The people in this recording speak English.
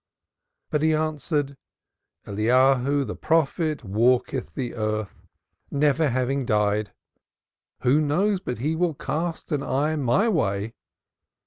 But he answered: "Elijah the prophet walketh the earth, never having died; who knows but that he will cast an eye my way?"